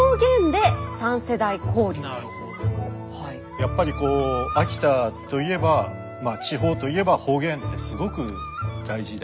やっぱりこう秋田といえば地方といえば方言ってすごく大事で。